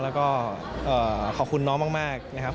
แล้วก็ขอบคุณน้องมากนะครับ